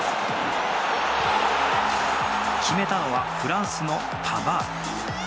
決めたのはフランスのパバール。